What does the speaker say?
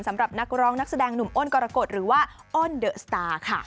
สำหรับนักร้องนักแสดงหนุ่มอ้นกรกฎหรือว่าอ้นเดอะสตาร์ค่ะ